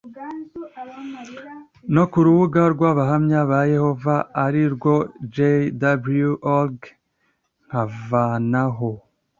no ku rubuga rw abahamya ba yehova ari rwo jw org nkavanaho